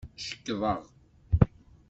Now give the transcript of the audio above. Cekḍeɣ.